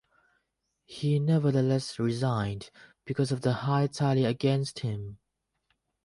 He nevertheless resigned because of the high tally against him.